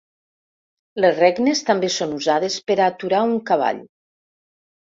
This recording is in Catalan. Les regnes també són usades per a aturar un cavall.